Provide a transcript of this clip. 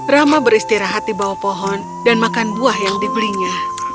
rama beristirahat di bawah pohon dan makan buah yang dibelinya